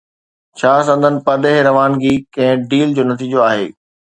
ڇا سندن پرڏيهه روانگي ڪنهن ڊيل جو نتيجو آهي؟